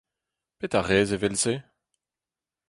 Petra 'rez evel-se ?